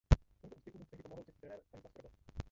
K tomuto úspěchu mu tehdy pomohl český trenér Stanislav Strobl.